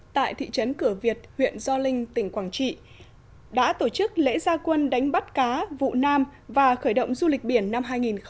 tại thị trấn cửa việt huyện gio linh tỉnh quảng trị đã tổ chức lễ gia quân đánh bắt cá vụ nam và khởi động du lịch biển năm hai nghìn hai mươi